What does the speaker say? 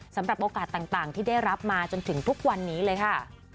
สำหรับโอกาสต่างที่ได้รับมาจนถึงทุกวันนี้เลยค่ะ